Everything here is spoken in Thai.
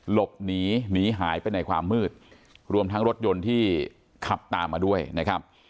หลบหนีหนีหายไปในความมืดรวมทั้งรถยนต์ที่ขับตามมาด้วยนะครับ